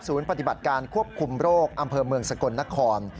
ปฏิบัติการควบคุมโรคอำเภอเมืองสกลนคร